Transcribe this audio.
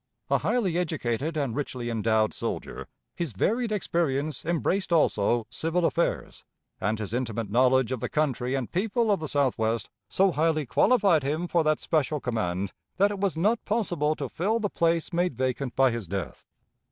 A highly educated and richly endowed soldier, his varied experience embraced also civil affairs, and his intimate knowledge of the country and people of the Southwest so highly qualified him for that special command that it was not possible to fill the place made vacant by his death.